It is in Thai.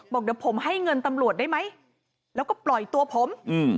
บอกเดี๋ยวผมให้เงินตำรวจได้ไหมแล้วก็ปล่อยตัวผมอืม